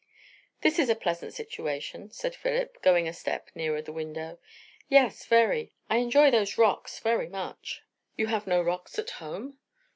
"This is a pleasant situation," said Philip, going a step nearer the window. "Yes, very! I enjoy those rocks very much." "You have no rocks at home?"